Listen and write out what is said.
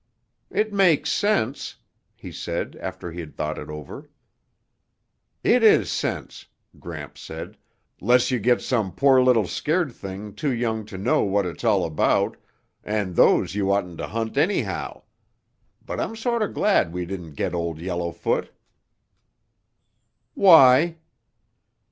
"It makes sense," he said after he had thought it over. "It is sense," Gramps said, "'less you get some poor little scared thing too young to know what it's all about, and those you oughtn't to hunt anyhow. But I'm sort of glad we didn't get Old Yellowfoot." "Why?"